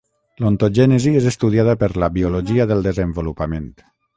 L'ontogènesi és estudiada per la biologia del desenvolupament.